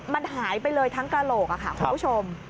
มันหายไปเลยทั้งกระโหลกค่ะคุณผู้ชม